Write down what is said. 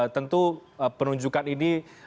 tentu penunjukan ini